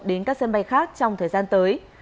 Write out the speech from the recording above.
đến các sân bay khác trong thời gian tới